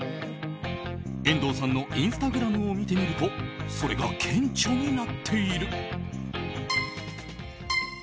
遠藤さんのインスタグラムを見てみるとそれが顕著になっている。